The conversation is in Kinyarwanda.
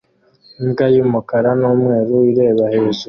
Imbwa y'umukara n'umweru ireba hejuru